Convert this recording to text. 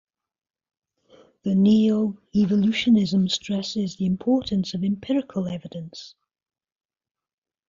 The neoevolutionism stresses the importance of empirical evidence.